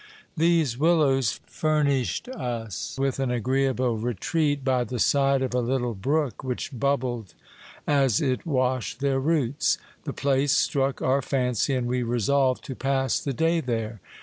These willows furnished us with an agreeable retreat, by the side of a little brook which bubbled as it washed their roots. The place struck our fancy, and we resolved to pass the day there.